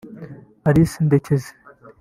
Alice Ndekezi